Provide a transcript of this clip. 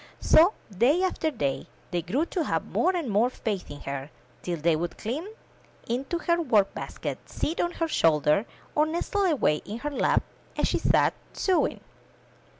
So, day after day, they grew to have more and more faith in her, till they would climb into her work basket, sit on her shoulder, or nestle away in her lap as she sat sewing.